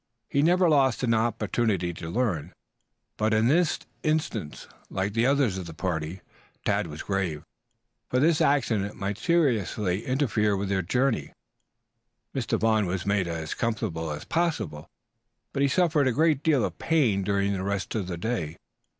He never lost an opportunity to learn, but in this instance, like the others of the party, Tad was grave, for this accident might seriously interfere with their journey. Mr. Vaughn was made as comfortable as possible, but he suffered a great deal of pain during the rest of the day.